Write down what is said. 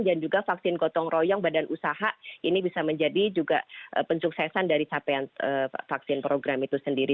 dan juga vaksin gotong royong badan usaha ini bisa menjadi juga penyuksesan dari capaian vaksin program itu sendiri